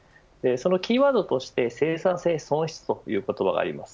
そのキーワードとして生産性損失という言葉があります。